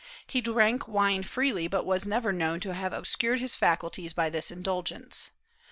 He drank wine freely, but was never known to have obscured his faculties by this indulgence.